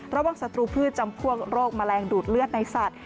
ศัตรูพืชจำพวกโรคแมลงดูดเลือดในสัตว